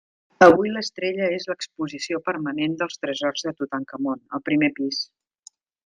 Avui l'estrella és l'exposició permanent dels tresors de Tutankamon, al primer pis.